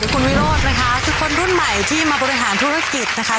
คุณวิโรธนะคะคือคนรุ่นใหม่ที่มาบริหารธุรกิจนะคะ